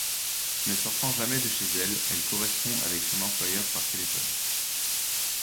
Ne sortant jamais de chez elle, elle correspond avec son employeur par téléphone.